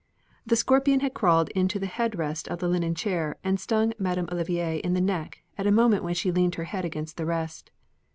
The scorpion had crawled onto the head rest of the linen chair and stung Madame Olivier in the neck at a moment when she leaned her head against the rest.